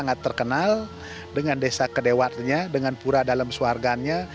sangat terkenal dengan desa kedewatannya dengan pura dalam suarganya